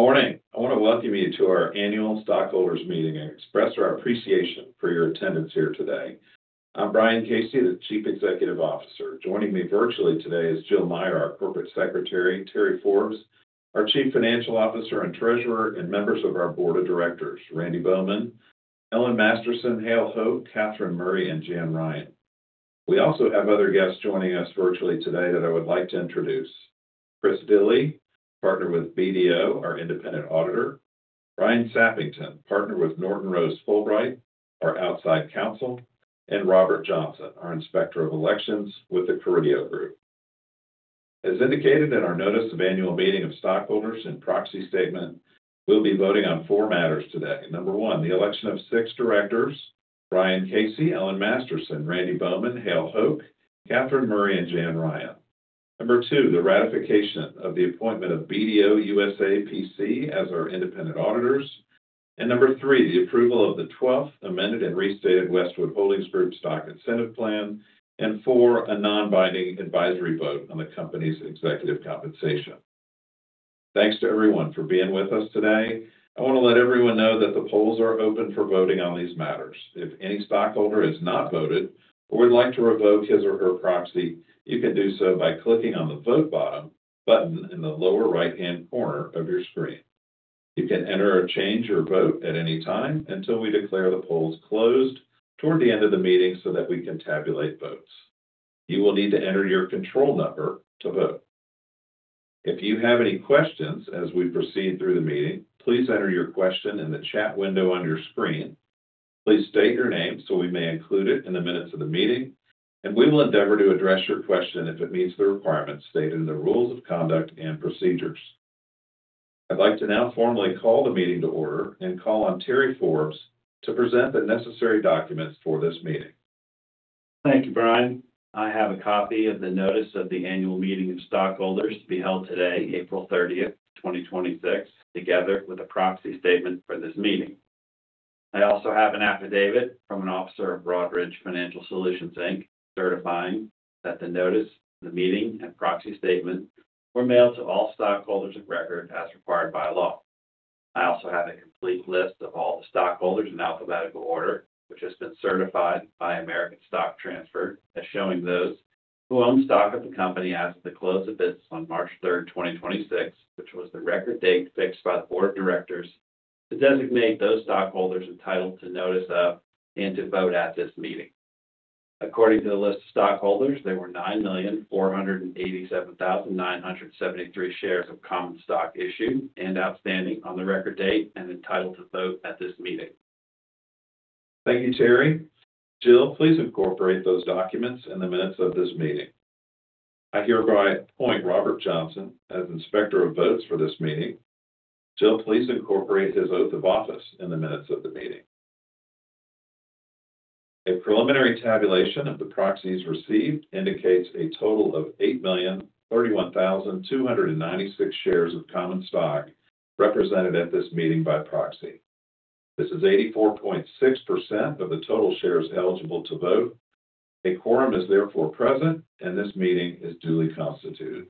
Morning. I want to welcome you to our annual stockholders meeting and express our appreciation for your attendance here today. I am Brian Casey, the Chief Executive Officer. Joining me virtually today is Jill Meyer, our Corporate Secretary, Terry Forbes, our Chief Financial Officer and Treasurer, members of our board of directors, Randy A. Bowman, Ellen Masterson, Hale Hoak, Katherine Murray, and Janice Ryan. We also have other guests joining us virtually today that I would like to introduce. Chris Billy, Partner with BDO, our independent auditor, Bryn Sappington, Partner with Norton Rose Fulbright, our outside counsel, Robert Johnson, our Inspector of Elections with the Carideo Group. As indicated in our notice of annual meeting of stockholders and proxy statement, we will be voting on four matters today. Number one, the election of six directors, Brian Casey, Ellen Masterson, Randy Bowman, Hale Hoak, Katherine Murray, and Janice Ryan. Number two, the ratification of the appointment of BDO USA, P.C. as our independent auditors. Number three, the approval of the 12th Amended and Restated Westwood Holdings Group Stock Incentive Plan. Four, a non-binding advisory vote on the company's executive compensation. Thanks to everyone for being with us today. I wanna let everyone know that the polls are open for voting on these matters. If any stockholder has not voted or would like to revoke his or her proxy, you can do so by clicking on the vote button in the lower right-hand corner of your screen. You can enter or change your vote at any time until we declare the polls closed toward the end of the meeting, so that we can tabulate votes. You will need to enter your control number to vote. If you have any questions as we proceed through the meeting, please enter your question in the chat window on your screen. Please state your name, so we may include it in the minutes of the meeting, and we will endeavor to address your question if it meets the requirements stated in the rules of conduct and procedures. I'd like to now formally call the meeting to order and call on Terry Forbes to present the necessary documents for this meeting. Thank you, Brian. I have a copy of the notice of the annual meeting of stockholders to be held today, April 30th, 2026, together with a proxy statement for this meeting. I also have an affidavit from an officer of Broadridge Financial Solutions, Inc., certifying that the notice of the meeting and proxy statement were mailed to all stockholders of record as required by law. I also have a complete list of all the stockholders in alphabetical order, which has been certified by American Stock Transfer as showing those who own stock of the company as of the close of business on March 3rd, 2026, which was the record date fixed by the board of directors to designate those stockholders entitled to notice of and to vote at this meeting. According to the list of stockholders, there were 9,487,973 shares of common stock issued and outstanding on the record date and entitled to vote at this meeting. Thank you, Terry. Jill, please incorporate those documents in the minutes of this meeting. I hereby appoint Robert Johnson as inspector of votes for this meeting. Jill, please incorporate his oath of office in the minutes of the meeting. A preliminary tabulation of the proxies received indicates a total of 8,031,296 shares of common stock represented at this meeting by proxy. This is 84.6% of the total shares eligible to vote. A quorum is therefore present. This meeting is duly constituted.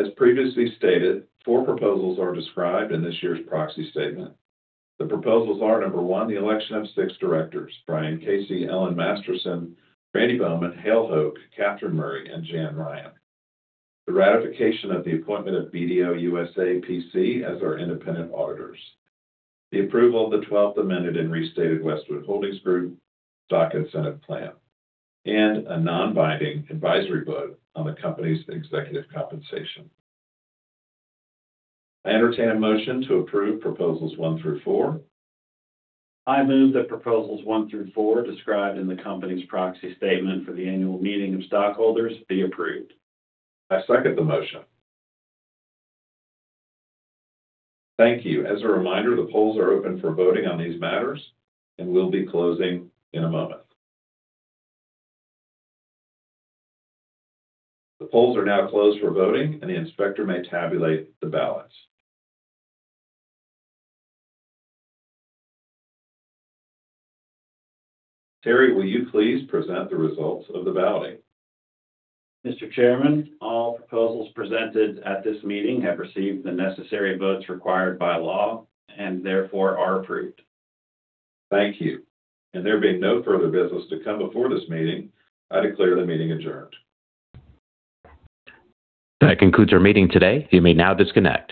As previously stated, four proposals are described in this year's proxy statement. The proposals are, number one, the election of six directors, Brian Casey, Ellen Masterson, Randy Bowman, Hale Hoak, Katherine Murray, and Janice Ryan. The ratification of the appointment of BDO USA, P.C. as our independent auditors. The approval of the 12th Amended and Restated Westwood Holdings Group, Inc. Stock Incentive Plan. A non-binding advisory vote on the company's executive compensation. I entertain a motion to approve proposals one through four. I move that proposals one through four described in the company's proxy statement for the annual meeting of stockholders be approved. I second the motion. Thank you. As a reminder, the polls are open for voting on these matters and will be closing in a moment. The polls are now closed for voting, and the inspector may tabulate the ballots. Terry, will you please present the results of the balloting? Mr. Chairman, all proposals presented at this meeting have received the necessary votes required by law and therefore are approved. Thank you. There being no further business to come before this meeting, I declare the meeting adjourned. That concludes our meeting today. You may now disconnect.